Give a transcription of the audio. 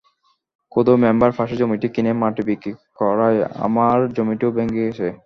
Khudu member পাশের জমিটি কিনে মাটি বিক্রি করায় আমার জমিটিও ভেঙে গেছে।